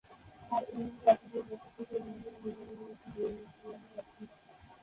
আর এমনি গত দুই বছর থেকে এই মন্দিরে দুর্গা দেবীর একটি বিগ্রহ আছে।